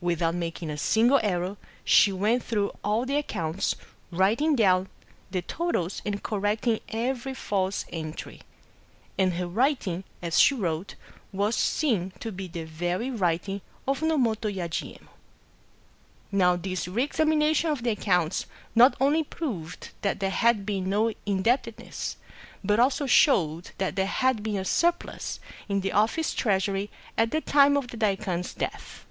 Without making a single error, she went through all the ac counts, writing down the totals and correcting every false entry. And her writing, as she wrote, was seen to be the very writing of Nomoto Yajiye mon. Now this reexamination of the accounts not only proved that there had been no indebtedness, but also showed that there had been a surplus in the office treasury at the time of the daikwan's death.